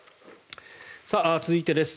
続いてです。